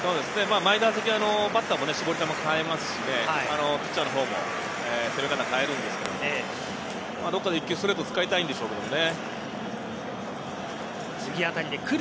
前打席バッターも絞り球を変えますし、ピッチャーも攻め方を変えるんですけど、どこかで一球ストレートを使いたいんでしょうけどね。